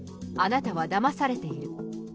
あなたはだまされている。